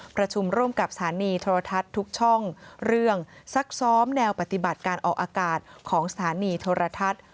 ประชุมร่วมกับสถานีโทรทัศน์ทุกช่องเรื่องซักซ้อมแนวปฏิบัติการออกอากาศของสถานีโทรทัศน์